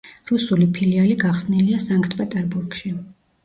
რუსული ფილიალი გახსნილია სანქტ-პეტერბურგში.